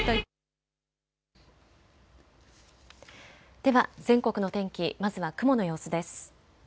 では全国の天気、まずは雲の様子です。